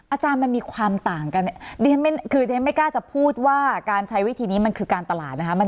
อาจารย์มันมีความต่างกันเนี่ยคือดิฉันไม่กล้าจะพูดว่าการใช้วิธีนี้มันคือการตลาดนะคะ